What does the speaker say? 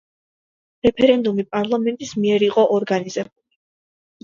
რეფერენდუმი პარლამენტის მიერ იყო ორგანიზებული.